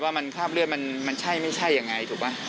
ว่าคาบเลือดมันใช่ไม่ใช่อย่างไรถูกปะ